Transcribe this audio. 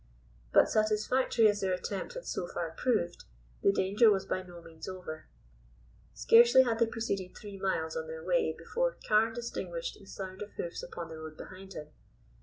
But satisfactory as their attempt had so far proved, the danger was by no means over. Scarcely had they proceeded three miles on their way before Carne distinguished the sound of hoofs upon the road behind him.